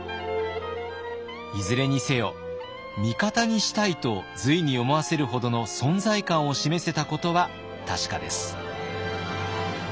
いずれにせよ「味方にしたい」と隋に思わせるほどの存在感を示せたことは確かです。